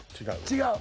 違う？